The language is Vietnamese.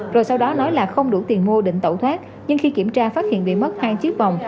rồi sau đó nói là không đủ tiền mua định tẩu thoát nhưng khi kiểm tra phát hiện bị mất hai chiếc vòng